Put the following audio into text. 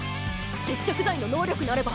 接着剤の能力なれば。